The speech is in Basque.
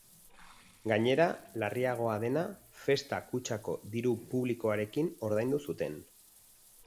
Gainera, larriagoa dena, festa kutxako diru publikoarekin ordaindu zuten.